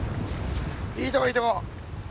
いいとこいいとこ。